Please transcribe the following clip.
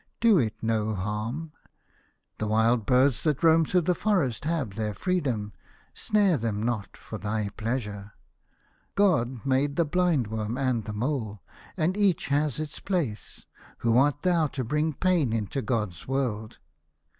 Do it no harm. The wild birds that roam through the forest have their freedom. Snare them t 1 37 A House of Pomegranates. not for thy pleasure. God made the blind worm and the mole, and each has its place. Who art thou to bring pain into God's world